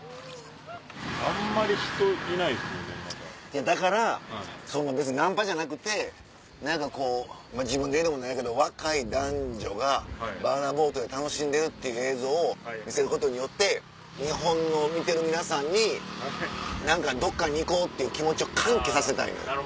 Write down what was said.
いやだからそんな別にナンパじゃなくて何かこう自分で言うのも何やけど若い男女がバナナボートで楽しんでるっていう映像を見せることによって日本の見てる皆さんに何かどっかに行こうっていう気持ちを喚起させたいのよ。